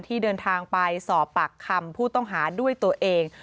ที่เดินทางไปสอบปากคำผู้ต้องหาด้วยตัวเอง